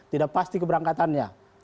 tidak pasti keberangkatannya